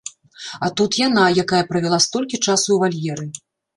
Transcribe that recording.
А тут яна, якая правяла столькі часу ў вальеры.